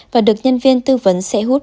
và được nhân viên tư vấn sẽ hút